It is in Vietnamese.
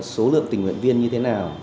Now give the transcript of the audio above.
số lượng tình nguyện viên như thế nào